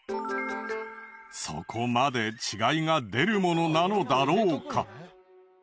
そこまで違いが出るものなのだろうか？